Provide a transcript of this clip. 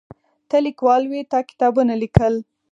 ته لیکوال وې تا کتابونه لیکل.